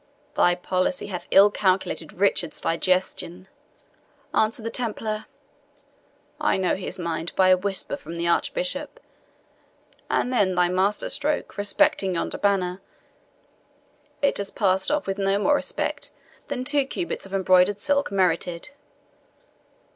"Thy policy hath ill calculated Richard's digestion," answered the Templar; "I know his mind by a whisper from the Archbishop. And then thy master stroke respecting yonder banner it has passed off with no more respect than two cubits of embroidered silk merited.